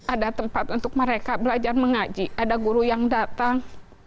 ada tempat untuk mereka belajar mengaji ada guru yang datang